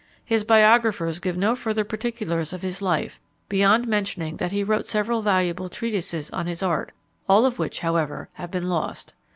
His biographers give no further particulars of his life beyond mentioning that he wrote several valuable treatises on his art, all of which, however, have been lost.